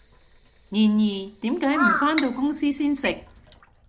然而，點解唔返到公司先食？